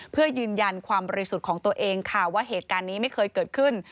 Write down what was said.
เพื่อยืนยันความบริสุทธิ์ของตัวเองค่ะว่าเหตุการณ์นี้ไม่เคยเกิดขึ้น